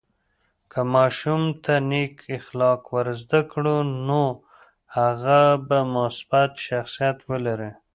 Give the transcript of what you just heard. که ماشوم ته نیک اخلاق ورزده کړو، نو هغه به مثبت شخصیت ولري.